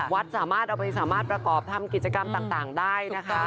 วัดสามารถเอาไปสามารถประกอบทำกิจกรรมต่างได้นะคะ